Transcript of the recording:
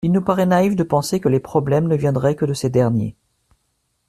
Il nous paraît naïf de penser que les problèmes ne viendraient que de ces derniers.